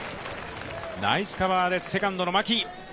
ナイスカバーです、セカンドの牧。